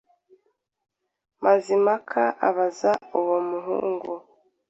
Mazimpaka abaza uwo muhungu,